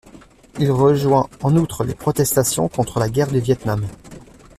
Il rejoint en outre les protestations contre la guerre du Viêt Nam.